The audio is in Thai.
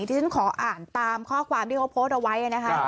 ที่ฉันขออ่านตามข้อความที่เขาโพสต์เอาไว้นะคะ